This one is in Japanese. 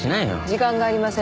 時間がありません。